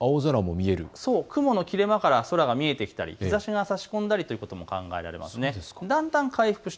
雲の切れ間から空が見えてきたり日ざしがさしこむということも考えられますね。